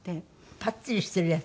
ピッチリしてるやつ？